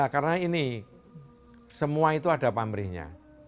karena ini semua itu ada pamrihnya